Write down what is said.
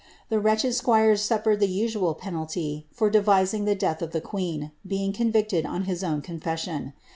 The wretched Squires suffered the usual penalty for devising the death of the queen, being convicted on his own confession.